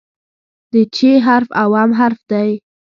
د "چ" حرف اووم حرف دی.